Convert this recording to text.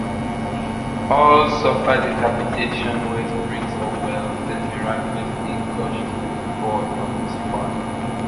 All suffer decapitation where springs or wells then miraculously gushed forth from the spot.